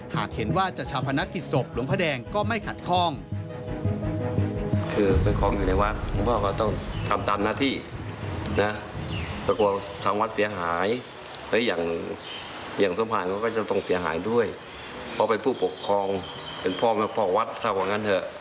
หากเห็นว่าจะชาวพนักกิจศพหลวงพระแดงก็ไม่ขัดข้อง